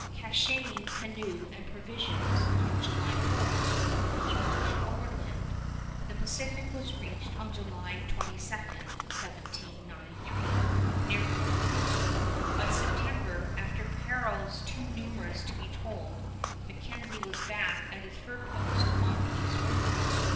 Caching canoe and provisions on July 4, he marched overland. The Pacific was reached on July 22, 1793, near Bella Coola. By September, after perils too numerous to be told, MacKenzie was back at his fur post on Peace River.